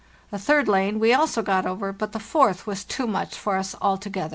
A third lane we also got over, but the fourth was too much for us altogether.